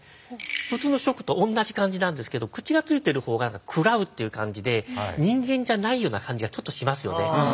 普通の「食」と同じ漢字なんですけど口が付いている方が喰らうという感じで人間じゃないような感じがちょっとしますよね。